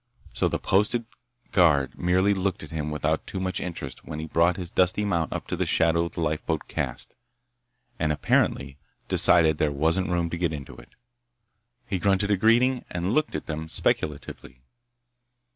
So the posted guard merely looked at him without too much interest when he brought his dusty mount up to the shadow the lifeboat cast, and apparently decided that there wasn't room to get into it. He grunted a greeting and looked at them speculatively.